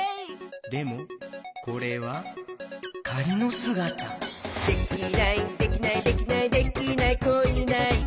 でもこれはかりのすがた「できないできないできないできない子いないか」